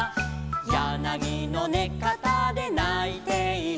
「やなぎのねかたでないている」